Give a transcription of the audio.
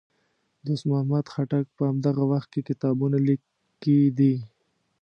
دوست محمد خټک په همدغه وخت کې کتابونه لیکي دي.